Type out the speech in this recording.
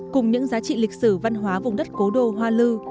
cùng những giá trị lịch sử văn hóa vùng đất cố đô hoa lư